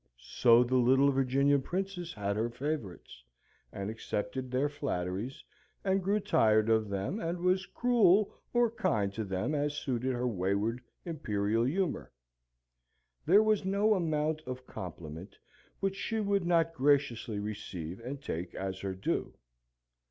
So the little Virginian princess had her favourites, and accepted their flatteries, and grew tired of them, and was cruel or kind to them as suited her wayward imperial humour. There was no amount of compliment which she would not graciously receive and take as her due.